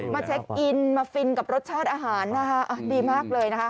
เช็คอินมาฟินกับรสชาติอาหารนะคะดีมากเลยนะคะ